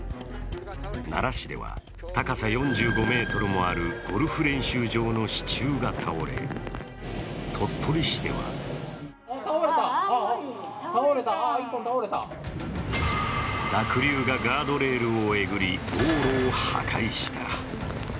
奈良市では高さ４５ｍもあるゴルフ練習場の支柱が倒れ鳥取市では濁流がガードレールをえぐり、道路を破壊した。